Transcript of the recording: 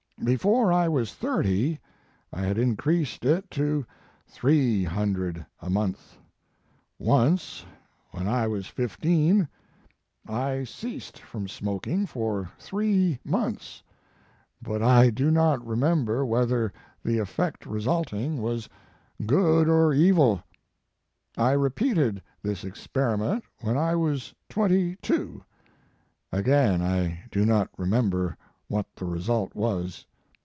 Before I was thirty I had increased it to three hundred a month. Once, when I was fifteen, I ceased from smoking for three His Life and Work. months, but I do not remember whether the effect resulting was good or evil. I repeated this experiment when I was twenty two; again I do not remember what the result was.